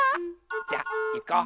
じゃいこう。